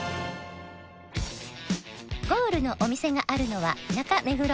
ゴールのお店があるのは中目黒